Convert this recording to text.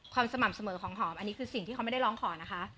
สม่ำเสมอของหอมอันนี้คือสิ่งที่เขาไม่ได้ร้องขอนะคะ